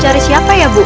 cari siapa ya bu